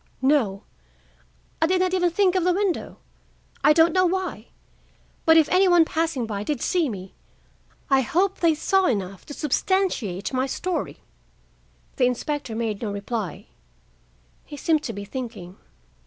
"No,—I did not even think of the window,—I don't know why; but, if any one passing by did see me, I hope they saw enough to substantiate my story." The inspector made no reply. He seemed to be thinking.